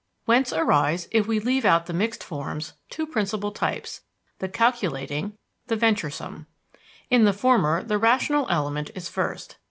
Whence arise, if we leave out the mixed forms, two principal types the calculating, the venturesome. In the former the rational element is first.